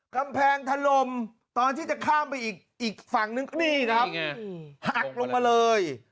กำแพงถล่มตอนที่จะข้ามไปอีกฝั่งนึงนี่ครับหักลงมาเลย